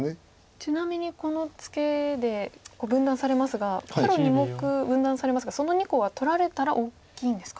ちなみにこのツケで分断されますが黒２目分断されますがその２個は取られたら大きいんですか。